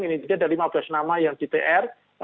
ini jadi ada lima belas nama yang gtr